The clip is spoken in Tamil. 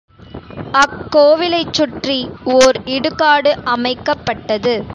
அக்கோவிலைச் சுற்றி ஓர் இடுகாடு அமைக்கப்பட்டது.